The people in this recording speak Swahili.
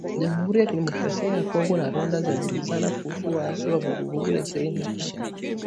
Jamuhuri ya Kidemokrasia ya Kongo na Rwanda zajibizana kuhusu waasi wa Vuguvugu la Ishirini na tatu